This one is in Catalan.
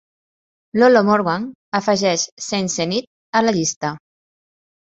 Iolo Morganwg afegeix Saint Cenydd a la llista.